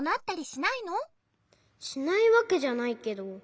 しないわけじゃないけど。